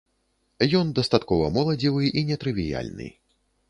Ён дастаткова моладзевы і нетрывіяльны.